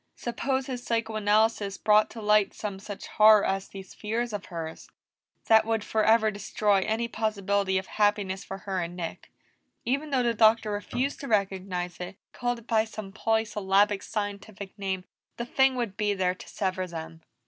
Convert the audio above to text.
Suppose his psychoanalysis brought to light some such horror as these fears of hers that would forever destroy any possibility of happiness for her and Nick. Even though the Doctor refused to recognize it, called it by some polysyllabic scientific name, the thing would be there to sever them.